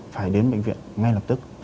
phải đến bệnh viện ngay lập tức